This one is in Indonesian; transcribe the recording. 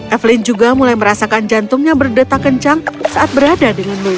evelyn juga mulai merasakan jantungnya berdeta kencang saat berada dengan leluhu